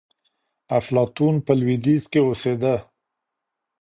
افلاطون په لوېدیځ کي اوسېده.